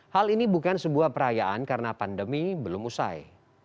hal ini bukan sebuah perayaan karena pandemi belum usai